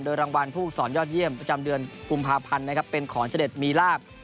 โดยรางวัลผู้สอนยอดเยี่ยมประจำเดือนกุมภาพันธ์เป็นขอร์ชเด็ดมีลาบ